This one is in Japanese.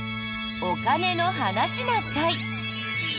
「お金の話な会」。